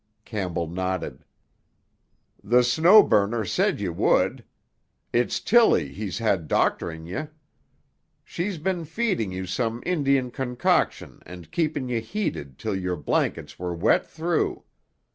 Campbell nodded. "The Snow Burner said ye would. It's Tilly he's had doctoring ye. She's been feeding you some Indian concoction and keeping ye heated till your blankets were wet through.